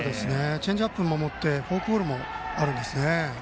チェンジアップも持ってフォークボールもあるんですね。